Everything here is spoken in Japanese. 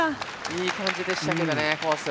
いい感じでしたけどねコース。